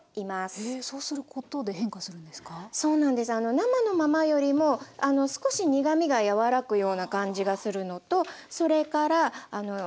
生のままよりも少し苦みが和らぐような感じがするのとそれから頂きやすくなります。